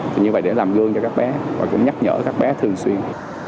thì như vậy để làm gương cho các bé và cũng nhắc nhở các bé thường xuyên